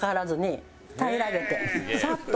サッと。